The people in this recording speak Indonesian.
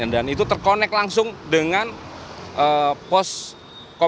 dan itu terkonek langsung dengan posko